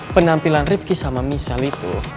penampilan ripki sama michelle itu